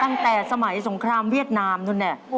ตั้งแต่สมัยสงครามเวียดนามนู่นเนี่ย